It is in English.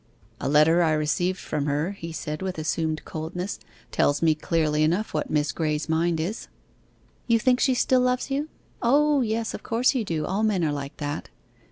'A letter I received from her' he said, with assumed coldness, 'tells me clearly enough what Miss Graye's mind is.' 'You think she still loves you? O yes, of course you do all men are like that.